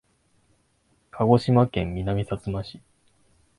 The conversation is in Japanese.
鹿児島県南さつま市